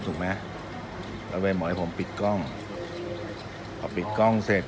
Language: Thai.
ถูกไหมบังเมียหมอให้ผมปิดกล้องออกปิดกล้องเสร็จ